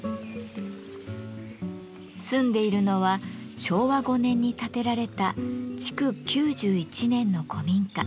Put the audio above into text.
住んでいるのは昭和５年に建てられた築９１年の古民家。